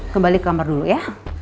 kembali ke kamar dulu ya